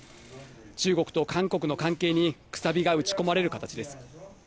中国と韓国の関係に、くさびが打ち込まれる形です。